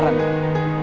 lo pasti penasaran